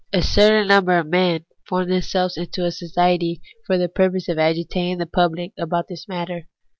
A certain number of men formed themselves into a society for the purpose of agitating the pubhc about this matter.